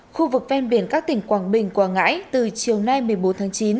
khu vực ven biển các tỉnh quảng bình quảng ngãi từ chiều nay một mươi bốn tháng chín